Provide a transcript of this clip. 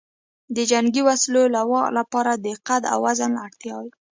د جنګي وسلو لواو لپاره د قد او وزن اړتیاوې